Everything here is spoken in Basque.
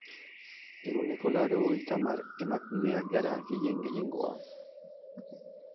Ehuneko laurogeita hamar emakumeak gara, gehien gehiengoa.